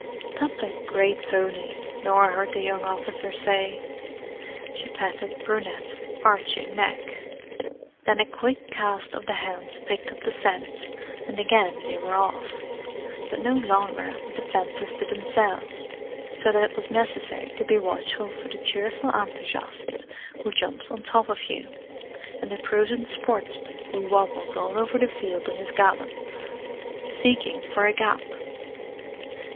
"That's a great pony!" Norah heard the young officer say. She patted Brunette's arching neck. Then a quick cast of the hounds picked up the scent, and again they were off, but no longer with the fences to themselves; so that it was necessary to be watchful for the cheerful enthusiast who jumps on top of you, and the prudent sportsman who wobbles all over the field in his gallop, seeking for a gap.